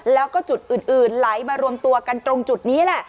แล้วก็จุดอื่นไหลมารวมตัวกันตรงจุดนี้แหละ